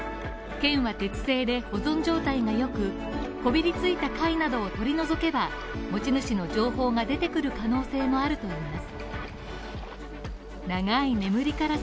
剣は鉄製で、保存状態が良く、こびりついた貝などをとり除けば持ち主の情報が出てくる可能性もあるといいます。